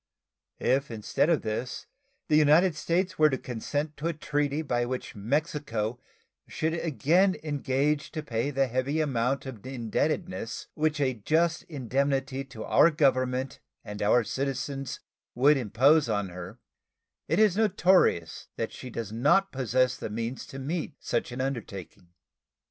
If instead of this the United States were to consent to a treaty by which Mexico should again engage to pay the heavy amount of indebtedness which a just indemnity to our Government and our citizens would impose on her, it is notorious that she does not possess the means to meet such an undertaking.